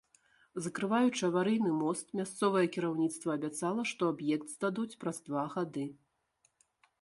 Закрываючы аварыйны мост, мясцовае кіраўніцтва абяцала, што аб'ект здадуць праз два гады.